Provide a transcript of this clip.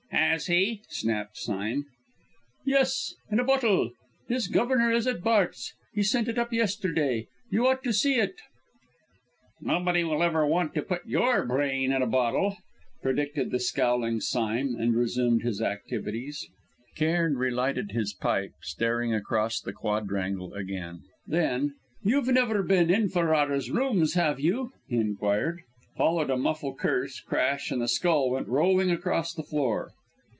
"Has he!" snapped Sime. "Yes, in a bottle. His governor is at Bart's; he sent it up yesterday. You ought to see it." "Nobody will ever want to put your brain in a bottle," predicted the scowling Sime, and resumed his studies. Cairn relighted his pipe, staring across the quadrangle again. Then "You've never been in Ferrara's rooms, have you?" he inquired. Followed a muffled curse, crash, and the skull went rolling across the floor.